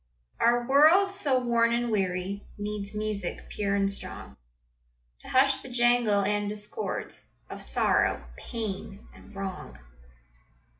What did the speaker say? Our world, so warn and weary, Needs music, pure and strong, To hush the jangle and discords Of sorrow, pain, and wrong.